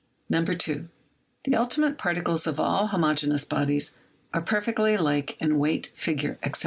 2. The ultimate particles of all homogeneous bodies are perfectly alike in weight, figure, etc.